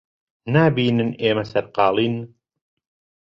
نابینن ئێمە سەرقاڵین؟